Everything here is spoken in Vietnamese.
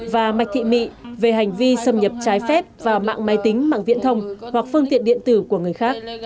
và mạch thị mị về hành vi xâm nhập trái phép vào mạng máy tính mạng viễn thông hoặc phương tiện điện tử của người khác